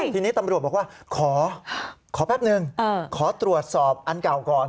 ทีนี้ตำรวจบอกว่าขอแป๊บนึงขอตรวจสอบอันเก่าก่อน